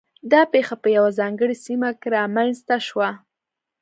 دا پېښه په یوه ځانګړې سیمه کې رامنځته شوه